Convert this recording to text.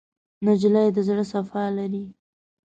نجلۍ د زړه صفا لري.